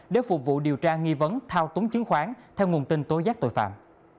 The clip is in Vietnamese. để phục vụ điều tra nghi vấn thao túng chứng khoán theo nguồn tin tố giác tội phạm